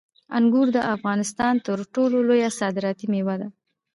انګور د افغانستان تر ټولو لویه صادراتي میوه ده.